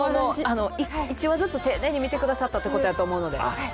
１話ずつ丁寧に見てくださったということやと思うので。